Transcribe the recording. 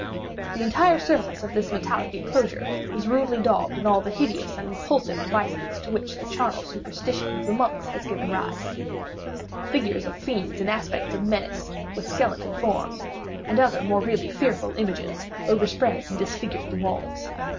The entire surface of this metallic enclosure was rudely daubed in all the hideous and repulsive devices to which the charnel superstition of the monks has given rise. The figures of fiends in aspects of menace, with skeleton forms, and other more really fearful images, overspread and disfigured the walls.